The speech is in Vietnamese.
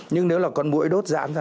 nhưng nếu là con mũi đốt dán ra